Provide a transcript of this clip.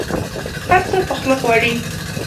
هر څه په خوله غواړي.